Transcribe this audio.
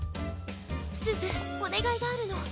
すずおねがいがあるの。